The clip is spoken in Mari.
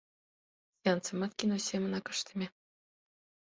Сеансымат кино семынак ыштыме.